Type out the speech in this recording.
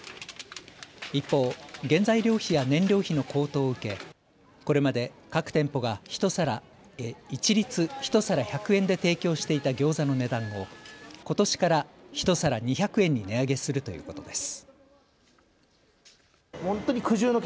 一方、原材料費や燃料費の高騰を受け、これまで各店舗が一律１皿１００円で提供していたギョーザの値段をことしから１皿２００円に値上げするということです。